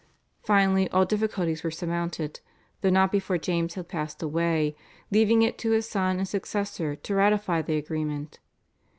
Finally all difficulties were surmounted, though not before James had passed away leaving it to his son and successor to ratify the agreement.